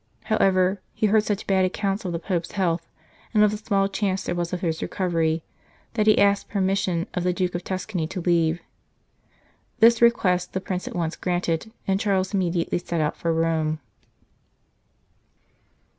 However, he heard such bad accounts of the Pope s health, and of the small chance there was of his recovery, that he asked per mission of the Duke of Tuscany to leave. This request the Prince at once granted, and Charles immediately set out for Rome.